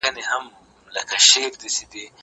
دا مرسته له هغه مهمه ده!